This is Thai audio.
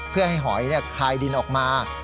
เพื่อให้หอยคายดินออกมา